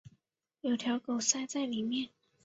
有条狗塞在里面